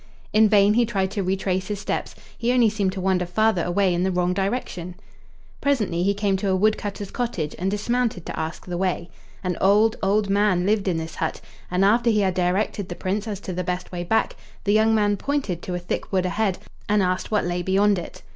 In vain he tried to retrace his steps; he only seemed to wander farther away in the wrong direction. Presently he came to a woodcutter's cottage, and dismounted to ask his way. An old, old man lived in this hut, and after he had directed the Prince as to the best way back, the young man pointed to a thick wood ahead, and asked what lay beyond it.